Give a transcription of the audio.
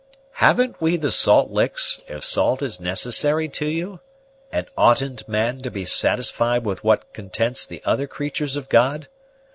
Haven't we the salt licks, if salt is necessary to you? and oughtn't man to be satisfied with what contents the other creatur's of God?